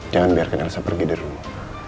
jangan biarkan rasa pergi dari rumah